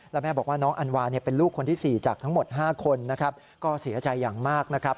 แล้วแม่บอกว่าน้องอันวาเป็นลูกคนที่๔จากทั้งหมด๕คนนะครับ